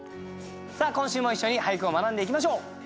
さあ今週も一緒に俳句を学んでいきましょう。